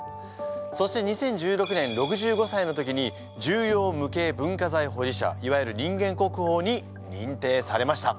そして２０１６年６５歳の時に重要無形文化財保持者いわゆる人間国宝に認定されました。